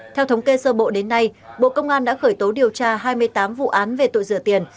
theo thống kê sơ bộ đến nay bộ công an đã khởi tố điều tra hai mươi tám vụ án về tội rửa tiền